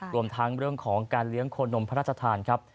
รวมทั้งเรื่องของการเลี้ยงโคนมพระราชทานครับ